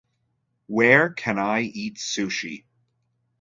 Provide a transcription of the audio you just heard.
Where can I eat sushi?